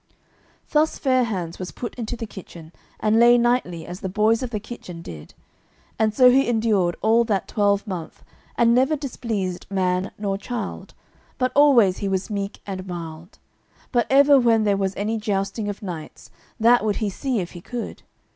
Thus Fair hands was put into the kitchen, and lay nightly as the boys of the kitchen did. And so he endured all that twelvemonth, and never displeased man nor child, but always he was meek and mild. But ever when there was any jousting of knights, that would he see if he could.